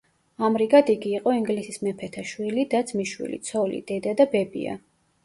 ამრიგად იგი იყო ინგლისის მეფეთა შვილი, და, ძმიშვილი, ცოლი, დედა და ბებია.